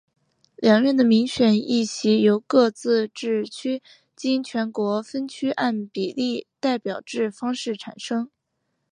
两院的民选议席由各自治区经全国分区按比例代表制方式产生。